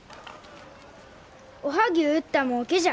おはぎゅう売ったもうけじゃ。